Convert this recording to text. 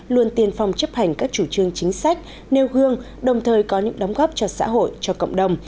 luôn tiên phong chấp hành các chủ trương chính sách nêu gương đồng thời có những đóng góp cho xã hội cho cộng đồng